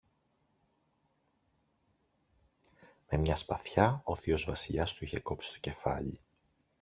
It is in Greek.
Με μια σπαθιά ο θείος Βασιλιάς του είχε κόψει το κεφάλι.